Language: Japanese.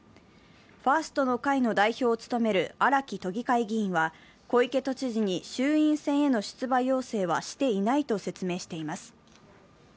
ファーストの会の代表を務める荒木都議会議員は小池都知事に衆院選への出馬要請はしていないと説明しています。